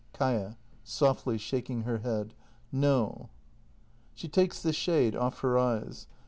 Kaia. [Softly, shaking her head.] No. [She takes the shade off her eyes.